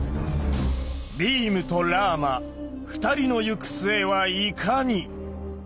ビームとラーマ２人の行く末はいかに！？